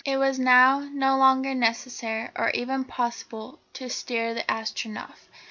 It was now no longer necessary or even possible to steer the Astronef.